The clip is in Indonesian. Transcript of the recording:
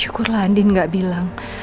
syukurlah andin nggak bilang